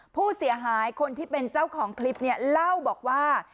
ผู้เสียหายคนที่เป็นเจ้าของคลิปเนี่ยเล่าบอกว่า